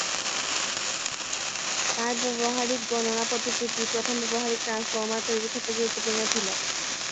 তাঁর ব্যবহারিক গণনা পদ্ধতিটি প্রথম ব্যবহারিক ট্রান্সফর্মার তৈরির ক্ষেত্রে গুরুত্বপূর্ণ ছিল।